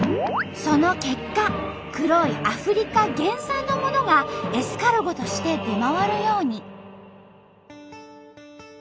その結果黒いアフリカ原産のものがエスカルゴとして出回るように。